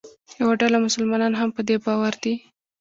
یوه ډله مسلمانان هم په دې باور دي.